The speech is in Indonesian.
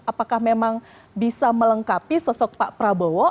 apakah memang bisa melengkapi sosok pak prabowo